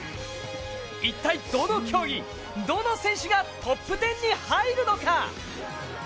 一体、どの競技、どの選手がトップ１０に入るのか。